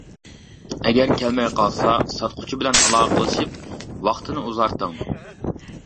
ئەگەر كەلمەي قالسا ساتقۇچى بىلەن ئالاقىلىشىپ ۋاقىتنى ئۇزارتىڭ.